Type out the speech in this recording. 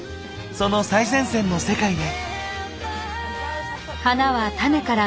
その最前線の世界へ。